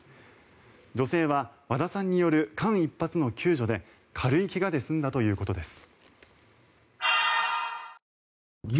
女性は和田さんによる間一髪の救助で軽い怪我で済んだということです。